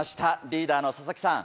リーダーの佐々木さん